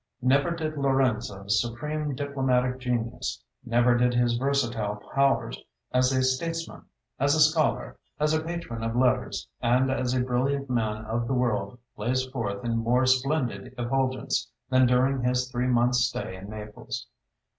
Never did Lorenzo's supreme diplomatic genius, never did his versatile powers as a statesman, as a scholar, as a patron of letters, and as a brilliant man of the world, blaze forth in more splendid effulgence than during his three months' stay in Naples.